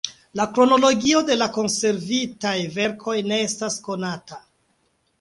La kronologio de la konservitaj verkoj ne estas konata.